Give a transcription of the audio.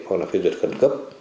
hoặc là phê duyệt khẩn cấp